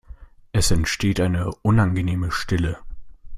Es entsteht eine unangenehme Stille.